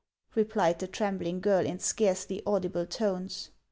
" replied the trembling girl in scarcely audible tones.